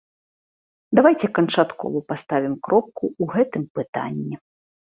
Давайце канчаткова паставім кропку ў гэтым пытанні.